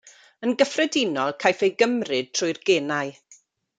Yn gyffredinol caiff ei gymryd trwy'r genau.